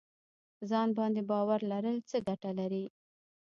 ځان باندې باور لرل څه ګټه لري؟